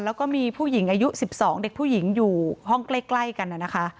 แล้วก็มีผู้หญิงอายุ๑๒เด็กผู้หญิงอยู่ห้องใกล้กันนะคะ